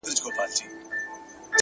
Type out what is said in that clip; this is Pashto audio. • ستا هغه ګوته طلایي چیري ده ـ